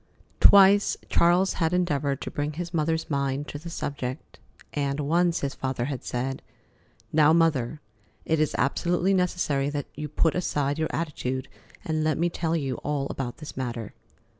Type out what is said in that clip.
Twice Charles had endeavored to bring his mother's mind to the subject, and once his father had said: "Now, Mother, it is absolutely necessary that you put aside your attitude and let me tell you all about this matter."